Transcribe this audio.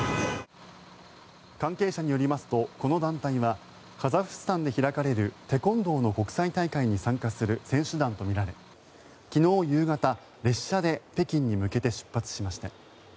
関係者によりますとこの団体はカザフスタンで開かれるテコンドーの国際大会に参加する選手団とみられ昨日夕方、列車で北京に向けて出発しました。